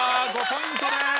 ５ポイントです！